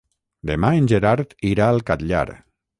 Demà en Gerard irà al Catllar.